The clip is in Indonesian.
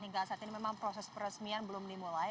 hingga saat ini memang proses peresmian belum dimulai